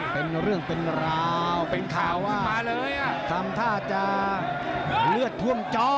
เป็นเรื่องเป็นราวเป็นข่าวว่ามาเลยอ่ะทำท่าจะเลือดท่วมจอ